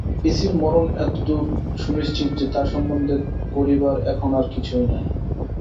পিসির মরণ এতদূর সুনিশ্চিত যে তার সম্বন্ধে করিবার এখন আর কিছুই নাই।